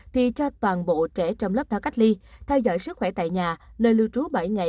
thì cho toàn bộ trẻ trong lớp đã cách ly theo dõi sức khỏe tại nhà nơi lưu trú bảy ngày